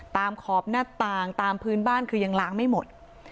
ขอบหน้าต่างตามพื้นบ้านคือยังล้างไม่หมด